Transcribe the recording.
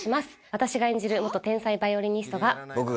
私が演じる元天才バイオリニストが。